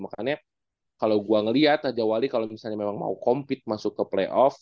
makanya kalau gue ngeliat aja wali kalau misalnya memang mau compete masuk ke playoff